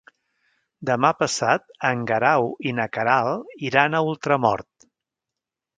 Demà passat en Guerau i na Queralt iran a Ultramort.